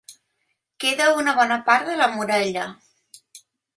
Queda una bona part de la muralla.